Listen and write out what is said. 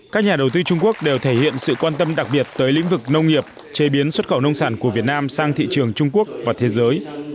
các nhà đầu tư trung quốc đều thể hiện sự quan tâm đặc biệt tới lĩnh vực nông nghiệp chế biến xuất khẩu nông sản của việt nam sang thị trường trung quốc và thế giới